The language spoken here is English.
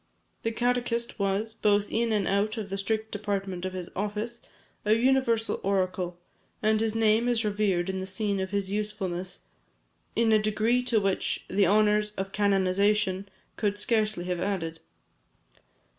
The catechist was, both in and out of the strict department of his office, a universal oracle, and his name is revered in the scene of his usefulness in a degree to which the honours of canonization could scarcely have added.